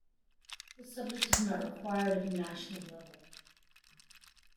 This subject is not required at a national level.